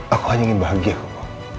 aku hanya ingin bahagia kok